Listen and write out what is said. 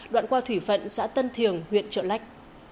đoạn qua thủy phận xã tân thiềng huyện trợ lách